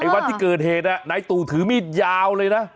วันที่เกิดเหตุนายตู่ถือมีดยาวเลยนะ